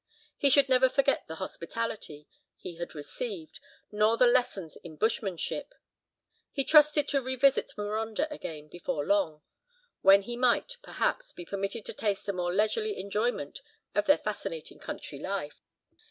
He should never forget the hospitality he had received, nor the lessons in bushmanship. He trusted to revisit Marondah again before long, when he might, perhaps, be permitted to taste a more leisurely enjoyment of their fascinating country life.